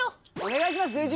お願いします。